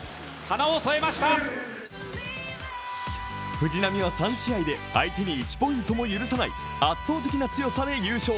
藤波は３試合で相手に１ポイントも許さない圧倒的な強さで優勝。